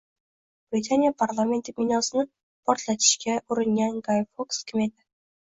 Britaniya parlamenti binosini portlatishga uringan Gay Foks kim edi?